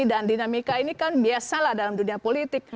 dan dinamika ini kan biasa lah dalam dunia politik